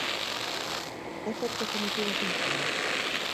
¿É certo que emitiu ese informe?